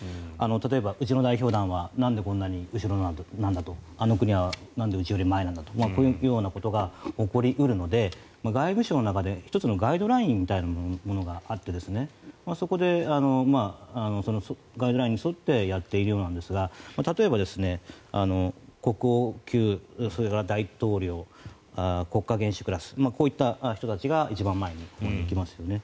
例えばうちの代表団はなんでこんなに後ろなんだあの国はなんでうちより前なんだこういうようなことが起こり得るので外務省の中で１つのガイドラインみたいなものがあってそこでガイドラインに沿ってやっているようなんですが例えば、国王級それから大統領、国家元首クラスこういった人たちが一番前のほうに来ますよね。